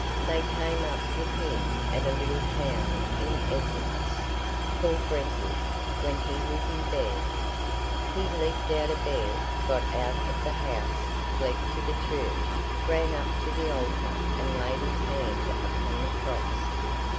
They came up with him at a little town in Essex, called Brentwood, when he was in bed. He leaped out of bed, got out of the house, fled to the church, ran up to the altar, and laid his hand upon the cross.